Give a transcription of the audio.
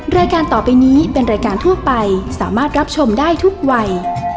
รายการต่อไปนี้เป็นรายการทั่วไปสามารถรับชมได้ทุกวัย